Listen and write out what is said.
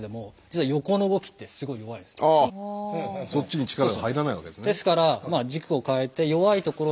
そっちに力が入らないわけですね。